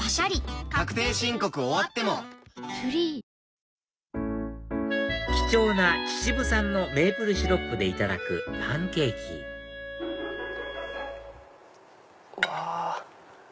確定申告終わってもｆｒｅｅｅ貴重な秩父産のメープルシロップでいただくパンケーキうわ！